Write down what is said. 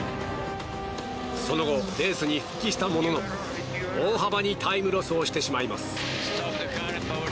その後、レースに復帰したものの大幅にタイムロスをしてしまいます。